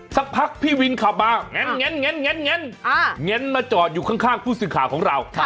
สักพักพี่วินขับมาแงนมาจอดอยู่ข้างผู้สื่อข่าวของเรา